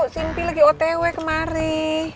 simpi lagi otw kemari